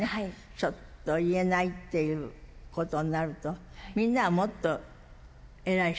ちょっと、言えないっていうことになると、みんなはもっと偉い人？